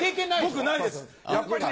僕ないです。